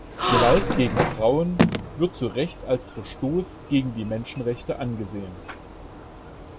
Gewalt gegen Frauen wird zu Recht als Verstoß gegen die Menschenrechte angesehen.